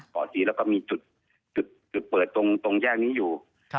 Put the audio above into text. เกาะศรีแล้วก็มีจุดเปิดตรงแยกนี้อยู่